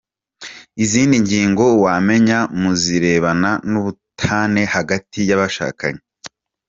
Izindi ngingo wamenya mu zirebana n’ubutane hagati y’abashakanye :.